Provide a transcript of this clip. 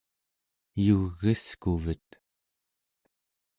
yug'eskuvet